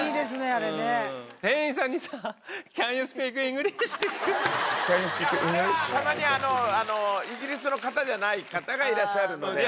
あれはたまにイギリスの方じゃない方がいらっしゃるので。